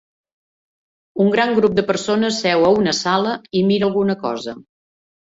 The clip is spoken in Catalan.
Un gran grup de persones seu a una sala i mira alguna cosa.